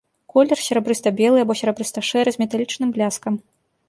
Колер серабрыста-белы або серабрыста-шэры з металічным бляскам.